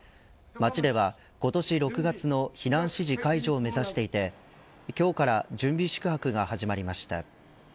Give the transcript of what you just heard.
町では今年６月の避難指示解除を目指していて今日から準備宿泊が始まりました。